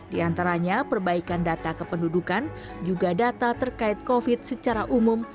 di antaranya perbaikan data kependudukan juga data terkait covid secara umum